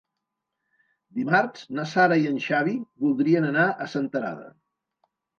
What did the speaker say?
Dimarts na Sara i en Xavi voldrien anar a Senterada.